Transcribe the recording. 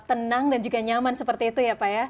jadi bisa senang dan juga nyaman seperti itu ya pak ya